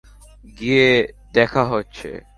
গিয়ে দেখা হচ্ছে।